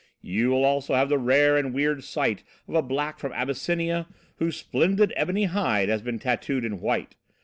"You will also have the rare and weird sight of a black from Abyssinia whose splendid ebony hide has been tattooed in white.